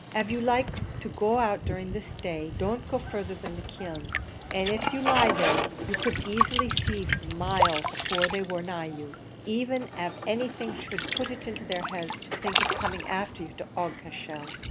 Av you like to go out of this during the day, don't go further than the kiln; an' av you lie there, you could easily see them miles afore they war nigh you, even av anything should put it into their heads to think of coming afther you to Aughacashel."